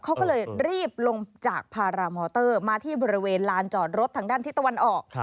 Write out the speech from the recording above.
เขาก็เลยรีบลงจากพารามอเตอร์มาที่บริเวณลานจอดรถทางด้านทิศตะวันออก